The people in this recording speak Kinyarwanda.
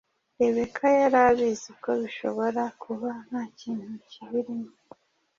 rebecca yari abizi ko bishobora kuba nta kintu kibirimo